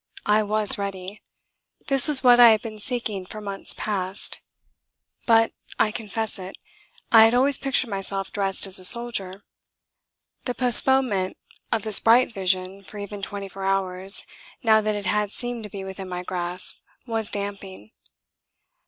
I was ready. This was what I had been seeking for months past. But I confess it I had always pictured myself dressed as a soldier. The postponement of this bright vision for even twenty four hours, now that it had seemed to be within my grasp, was damping.